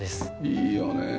いいよねえ。